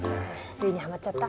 ついにハマっちゃった？